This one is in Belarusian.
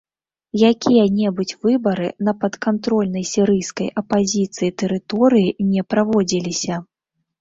Якія-небудзь выбары на падкантрольнай сірыйскай апазіцыі тэрыторыі не праводзіліся.